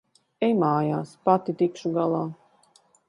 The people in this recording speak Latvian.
Ej mājās. Pati tikšu galā.